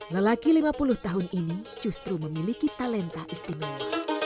lelaki lima puluh tahun ini justru memiliki talenta istimewa